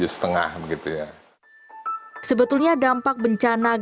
sebetulnya dampak bencana gempa